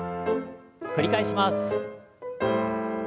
繰り返します。